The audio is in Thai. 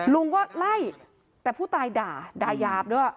ลุงก็ไล่แต่ผู้ตายด่าด่ายาบด้วย